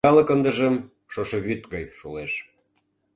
Калык ындыжым шошо вӱд гай шолеш.